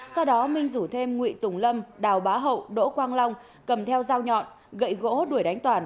sau đó minh rủ thêm nguyễn tùng lâm đào bá hậu đỗ quang long cầm theo dao nhọn gậy gỗ đuổi đánh toàn